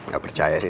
gak percaya sih